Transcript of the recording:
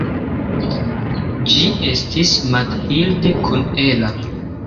Ĝi estis Mathilde kun Ella.